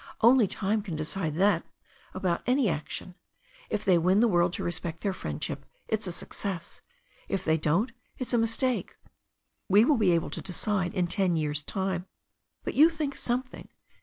Only time can decide that about any action. If they win the world to respect their friend ship, it's a success; if they don't, it's a mistake. We will be able to decide in ten years' time." "But you think something."